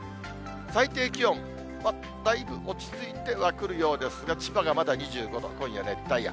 最低気温、だいぶ落ち着いてはくるようですが、千葉がまだ２５度、今夜、熱帯夜。